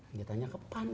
jangan tanya ke pan